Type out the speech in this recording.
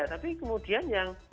tapi kemudian yang